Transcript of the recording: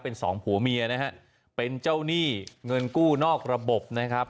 เป็นสองผัวเมียนะฮะเป็นเจ้าหนี้เงินกู้นอกระบบนะครับ